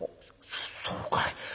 そそうかい。